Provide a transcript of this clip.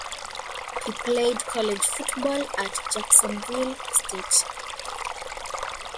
He played college football at Jacksonville State.